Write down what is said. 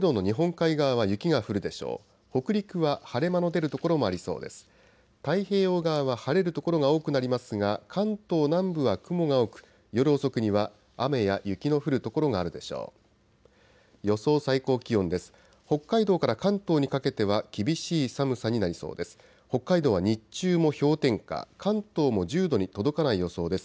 北海道から関東にかけては厳しい寒さになりそうです。